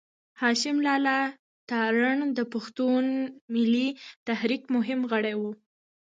هاشم لالا تارڼ د پښتون ملي تحريک مهم غړی و.